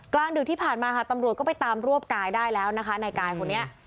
ดึกที่ผ่านมาค่ะตำรวจก็ไปตามรวบกายได้แล้วนะคะนายกายคนนี้